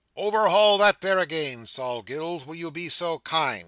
"Overhaul that there again, Sol Gills, will you be so kind?"